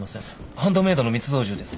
ハンドメイドの密造銃です。